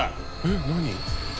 えっ何？